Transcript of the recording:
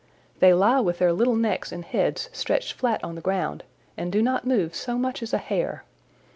They lie with their little necks and heads stretched flat on the ground and do not move so much as a hair.